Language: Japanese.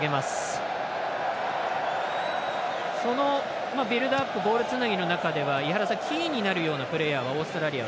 そのビルドアップボールつなぎの中ではキーになるようなプレーヤーはオーストラリア